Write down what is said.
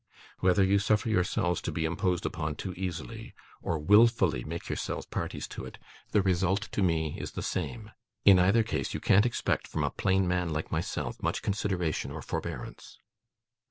Whether you suffer yourselves to be imposed upon too easily, or wilfully make yourselves parties to it, the result to me is the same. In either case, you can't expect from a plain man like myself much consideration or forbearance.